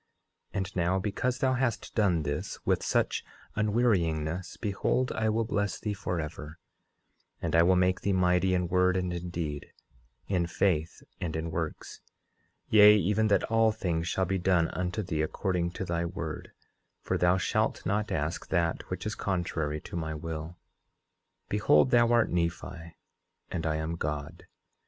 Helaman 10:5 And now, because thou hast done this with such unwearyingness, behold, I will bless thee forever; and I will make thee mighty in word and in deed, in faith and in works; yea, even that all things shall be done unto thee according to thy word, for thou shalt not ask that which is contrary to my will. 10:6 Behold, thou art Nephi, and I am God.